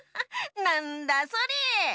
なんだそれ！